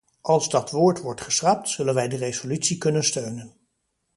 Als dat woord wordt geschrapt, zullen wij de resolutie kunnen steunen.